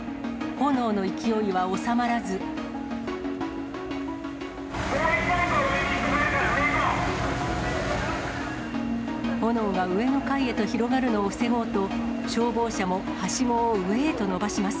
もう１個、２個上に、炎が上の階へと広がるのを防ごうと、消防車もはしごを上へと伸ばします。